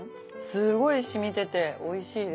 すごい染みてておいしいです。